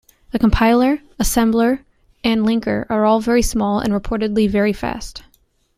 The compiler, assembler and linker are all very small and reportedly very fast.